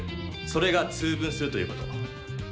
それが「通分」するということ。